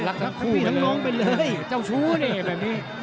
รักทั้งพี่ทั้งน้องไปเลยเจ้าชู้นี่แบบนี้